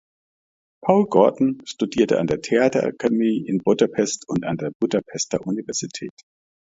Paul Gordon studierte an der Theaterakademie in Budapest und an der Budapester Universität.